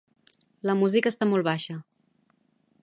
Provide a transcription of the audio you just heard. La música està molt baixa.